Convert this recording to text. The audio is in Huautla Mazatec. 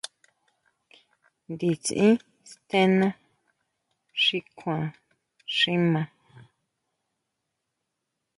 Nditsin stená xi kjuan xi maa.